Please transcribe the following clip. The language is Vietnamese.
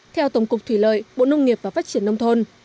theo tổng cục thủy lợi bộ nông nghiệp và phát triển nông thôn